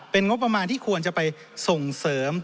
เป็นงบประมาณที่ควรจะไปส่งเสริม